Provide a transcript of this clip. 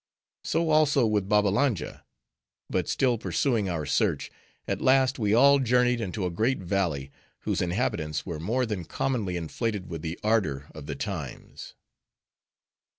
So also with Babbalanja. But still pursuing our search, at last we all journeyed into a great valley, whose inhabitants were more than commonly inflated with the ardor of the times.